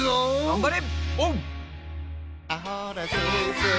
頑張れ！